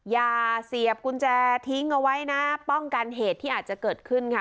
อย่าเสียบกุญแจทิ้งเอาไว้นะป้องกันเหตุที่อาจจะเกิดขึ้นค่ะ